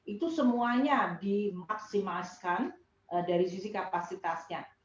itu semuanya dimaksimalkan dari sisi kapasitasnya